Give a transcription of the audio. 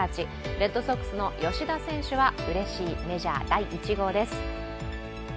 レッドソックスの吉田選手はうれしいメジャー第１号です。